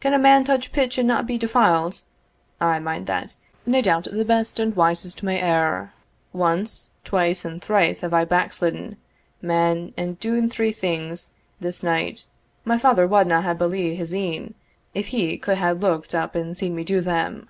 Can a man touch pitch and no be defiled? aye mind that. Nae doubt, the best and wisest may err Once, twice, and thrice have I backslidden, man, and dune three things this night my father wadna hae believed his een if he could hae looked up and seen me do them."